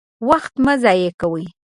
وخت مه ضايع کوئ!